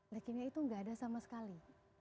lekimia itu tidak ada sama sekali